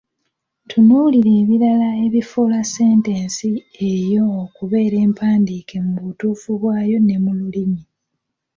Tunuulira ebirala ebifuula sentensi eyo okubeera empandiike mu butuufu bwayo ne mu lulimi.